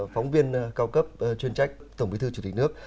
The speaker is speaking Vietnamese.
phóng viên cao cấp chuyên trách tổng bí thư chủ tịch nước